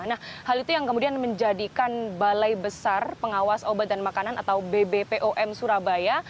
nah hal itu yang kemudian menjadikan balai besar pengawas obat dan makanan atau bbpom surabaya